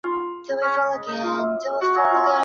后出任凤翔府知府。